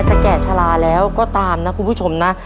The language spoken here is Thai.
แก่ชะลาแล้วก็ตามนะคุณผู้ชมนะ